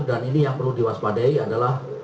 dan ini yang perlu diwaspadai adalah